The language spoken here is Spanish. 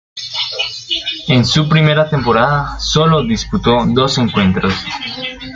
En su primera temporada sólo disputó dos encuentros.